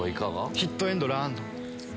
ヒットエンドラン！の。